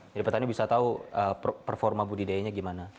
jadi petani bisa tahu performa budidayanya gimana